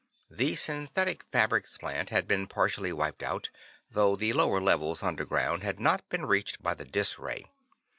The synthetic fabrics plant had been partially wiped out, though the lower levels underground had not been reached by the dis ray.